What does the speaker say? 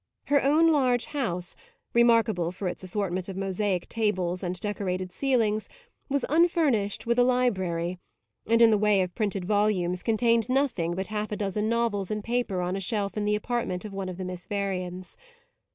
Her own large house, remarkable for its assortment of mosaic tables and decorated ceilings, was unfurnished with a library, and in the way of printed volumes contained nothing but half a dozen novels in paper on a shelf in the apartment of one of the Miss Varians.